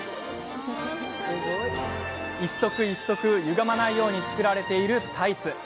一足一足、ゆがまないように作られているタイツ。